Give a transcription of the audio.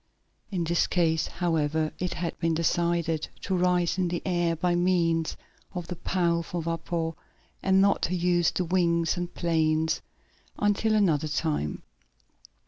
In this case, however, it had been decided to rise in the air by means of the powerful vapor, and not to use the wings and planes until another time.